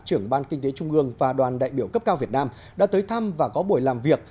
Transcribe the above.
trưởng ban kinh tế trung ương và đoàn đại biểu cấp cao việt nam đã tới thăm và có buổi làm việc